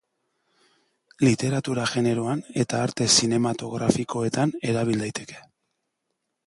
Literatura-generoan eta arte zinematografikoetan erabil daiteke.